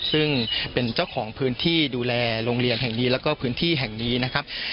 ซึ่งเป็นเจ้าของพื้นที่ดูแลโรงเรียนแห่งนี้แล้วก็พื้นที่แห่งนี้นะครับ